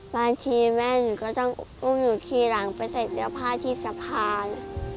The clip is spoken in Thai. บางทีแม่หนูก็ต้องอุ้มหนูขี่หลังไปใส่เสื้อผ้าที่สะพาน